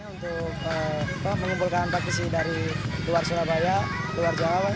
untuk menyimpulkan praktisi dari luar surabaya luar jawa